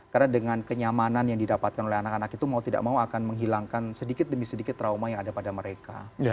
karena dengan kenyamanan yang didapatkan oleh anak anak itu mau tidak mau akan menghilangkan sedikit demi sedikit trauma yang ada pada mereka